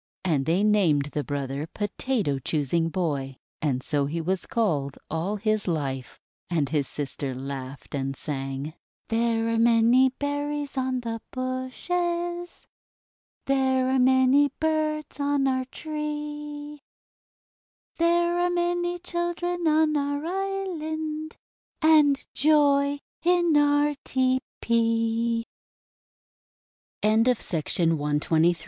And they named the brother "Potato Choos ing Boy," and so he was called all his life. And his sister laughed, and sang: —" There are many berries on the bushes, There are many birds on our tree, There are many children on our island, And joy in our tepee I" 360 THE WONDER GARDEN THE TU